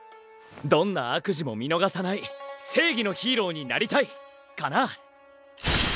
どんな悪事も見のがさない正義のヒーローになりたい！かな。